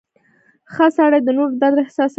• ښه سړی د نورو درد احساسوي.